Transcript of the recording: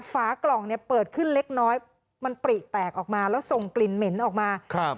ฝากล่องเนี่ยเปิดขึ้นเล็กน้อยมันปริแตกออกมาแล้วส่งกลิ่นเหม็นออกมาครับ